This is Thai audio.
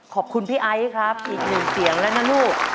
ขอบคุณพี่ไอซ์ครับอีกหนึ่งเสียงแล้วนะลูก